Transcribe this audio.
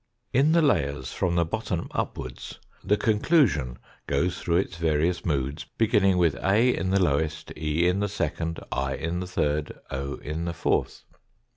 In the layers, from the bottom upwards, the conclusion goes through its various moods beginning with A in the lowest, E in the second, I in the third, in the fourth.